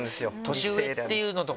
年上っていうのとかもね。